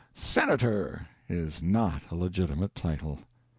"Senator" is not a legitimate title.